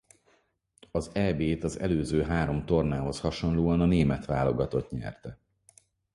Az Eb-t az előző három tornához hasonlóan a német válogatott nyerte.